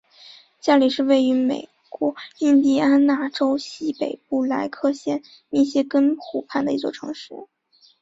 加里是位于美国印第安纳州西北部莱克县密歇根湖畔的一座城市。